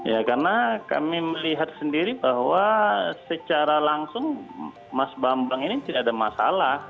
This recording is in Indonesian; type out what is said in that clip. ya karena kami melihat sendiri bahwa secara langsung mas bambang ini tidak ada masalah